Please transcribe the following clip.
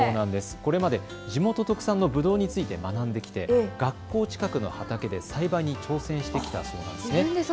これまで地元特産のぶどうについて学んできて学校近くの畑で栽培に挑戦してきたそうなんです。